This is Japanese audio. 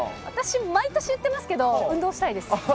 私、毎年言ってますけど、運動したいです。